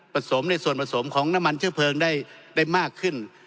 สมในส่วนผสมของน้ำมันเชื้อเพลิงได้มากขึ้น